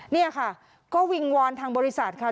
นี่ค่ะก็วิงวอนทางบริษัทค่ะ